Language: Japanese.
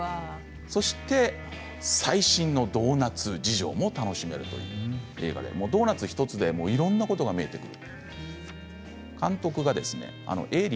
そして最新のドーナツ事情も楽しめるという映画でドーナツ１つでいろんなことが見えてくる。